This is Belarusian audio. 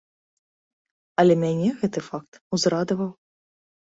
Але мяне гэты факт узрадаваў.